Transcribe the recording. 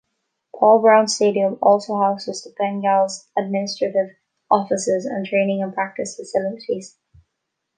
Paul Brown Stadium also houses the Bengals' administrative offices and training and practice facilities.